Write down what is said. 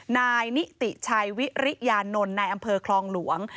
นายนิติชัยวิริยานนท์ในอำเภอคลองหลวง